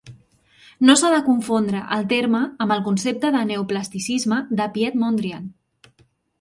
No s'ha de confondre el terme amb el concepte de "Neoplasticisme" de Piet Mondrian.